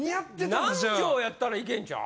南條やったらいけんちゃう？